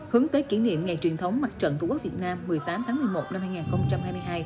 hướng tới kỷ niệm ngày truyền thống mặt trận tổ quốc việt nam một mươi tám tháng một mươi một năm hai nghìn hai mươi hai